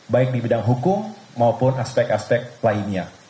baik di bidang hukum maupun aspek aspek lainnya